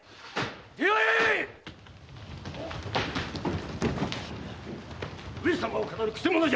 出会え‼上様を騙るくせ者じゃ！